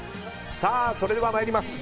さあ、それでは参ります。